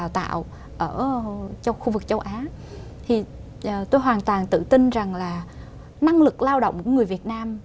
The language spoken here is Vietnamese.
tôi cho khu vực châu á thì tôi hoàn toàn tự tin rằng là năng lực lao động của người việt nam